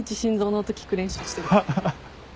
ハハハ